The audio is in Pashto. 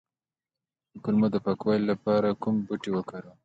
د کولمو د پاکوالي لپاره کوم بوټی وکاروم؟